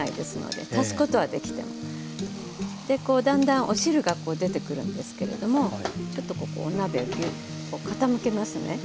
でこうだんだんお汁が出てくるんですけれどもちょっとここお鍋をギュッとこう傾けますね。